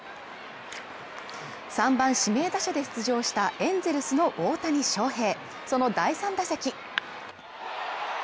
３番指名打者で出場したエンゼルスの大谷翔平、その第３打席。